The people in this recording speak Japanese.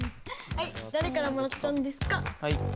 はい誰からもらったんですか？